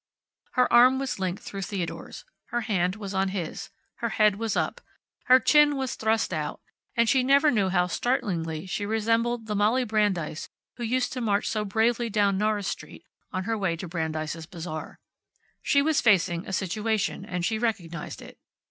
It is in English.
Her arm was linked through Theodore's. Her hand was on his. Her head was up. Her chin was thrust out, and she never knew how startlingly she resembled the Molly Brandeis who used to march so bravely down Norris street on her way to Brandeis' Bazaar. She was facing a situation, and she recognized it.